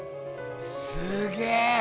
すげえ！